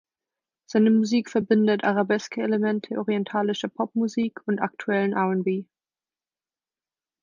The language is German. Seine Musik verbindet Arabeske-Elemente orientalischer Popmusik und aktuellen R’n’B.